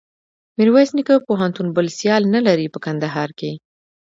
میرویس نیکه پوهنتون بل سیال نلري په کندهار کښي.